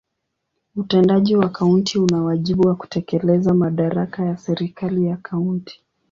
Utendaji wa kaunti una wajibu wa kutekeleza madaraka ya serikali ya kaunti.